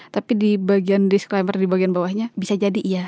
tapi di bagian disclaimer di bagian bawahnya bisa jadi iya